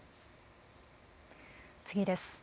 次です。